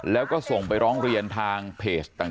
แล้วก็ส่งไปร้องเรียนทางเพจต่าง